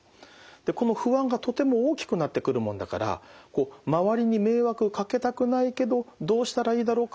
でこの不安がとても大きくなってくるもんだから周りに迷惑をかけたくないけどどうしたらいいだろうか。